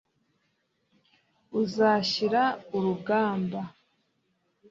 uzashyira urugamba